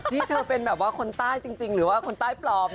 ที่เธอเป็นคนใต้จริงหรือคนใต้ปลอม